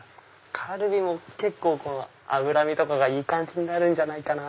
カルビも結構脂身とかがいい感じになるんじゃないかな。